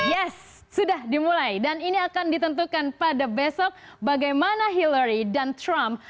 yes sudah dimulai dan ini akan ditentukan pada besok bagaimana hillary dan trump